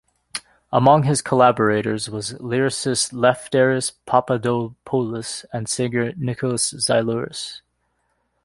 Among his collaborators was lyricist Lefteris Papadopoulos and singer Nikos Xylouris.